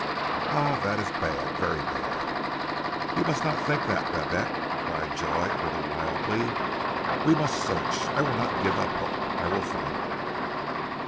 "Ah! That is bad, very bad!" "You must not think that, Babette," cried Joy a little wildly. "We must search. I will not give up hope. I will find him."